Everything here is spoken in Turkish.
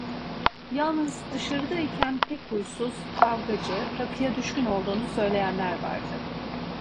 Yalnız dışarıda iken pek huysuz, kavgacı, rakıya düşkün olduğunu söyleyenler vardı.